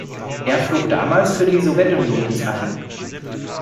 Er flog damals für die Sowjetunion ins All.